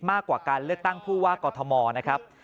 มากกว่าการเลือกตั้งผู้ว่ากอทมนะครับ